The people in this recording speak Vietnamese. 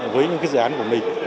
với những dự án của mình